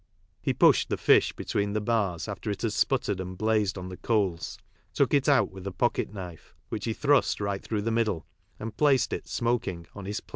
He pushed the fish between the bars after it had sputtered and blazed on the coals, took it out with a pocket knife which he thrust right through the middle, and placed it smoking on lis «il!'